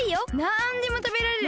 なんでもたべられる。